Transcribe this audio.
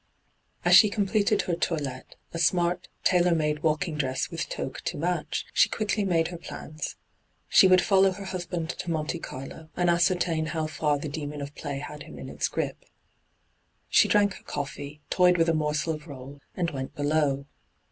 As she completed her toilette, a smart tailor hyGoo>^lc ENTRAPPED 183 made walkiog ^rera with toque to match, she quickly made her plans. She would follow her hashand to Monte Carlo, and ascertain how far the demrtn of play had him in its gnp. She drank her coffee, toyed with a morsel of roll, and went below.